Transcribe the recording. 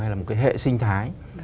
hay là một cái hệ sinh thái